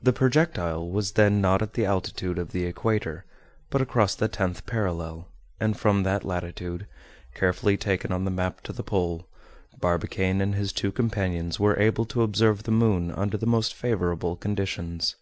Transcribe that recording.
The projectile was then not at the altitude of the equator; but across the tenth parallel, and from that latitude, carefully taken on the map to the pole, Barbicane and his two companions were able to observe the moon under the most favorable conditions.